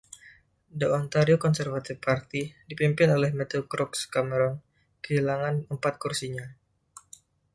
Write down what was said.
The Ontario Conservative Party, dipimpin oleh Matthew Crooks Cameron kehilangan empat kursinya.